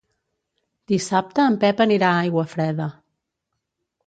Dissabte en Pep anirà a Aiguafreda.